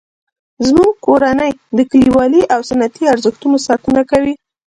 زموږ کورنۍ د کلیوالي او سنتي ارزښتونو ساتنه کوي